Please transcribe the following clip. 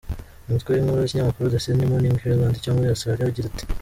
Umutwe w'inkuru w'ikinyamakuru The Sydney Morning Herald cyo muri Australia ugira uti:.